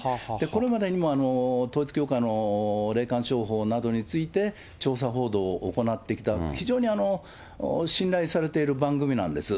これまでにも統一教会の霊感商法などについて調査報道を行ってきた、非常に信頼されている番組なんです。